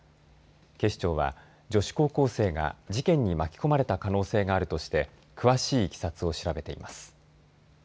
警視庁は女子高校生が事件に巻き込まれた可能性があるとして詳しいいきさつを調べています。